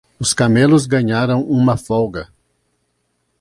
Os camelos ganharam uma folga.